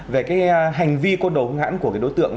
về hành vi côn đồ hứng hãn của đối tượng